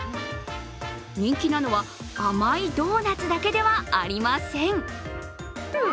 人気なのは甘いドーナツだけではありません。